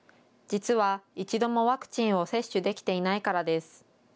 実は一度もワクチンを接種できていないからです。